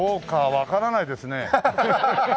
わからないですね。